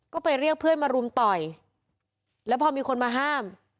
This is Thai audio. ก็ไปเรียกเพื่อนมารุมต่อยแล้วพอมีคนมาห้าม